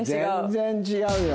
全然違うよ。